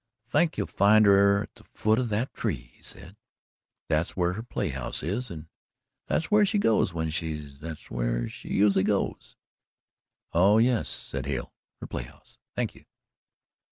"I think you'll find her at the foot of that tree," he said. "That's where her play house is and that's where she goes when she's that's where she usually goes." "Oh, yes," said Hale "her play house. Thank you."